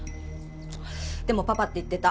でもパパって言ってた。